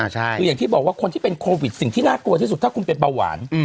คืออย่างที่บอกว่าคนที่เป็นโควิดสิ่งที่น่ากลัวที่สุดถ้าคุณเป็นเบาหวาน